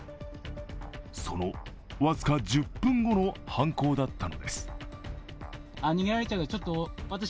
その僅か１０分後の犯行だったのです。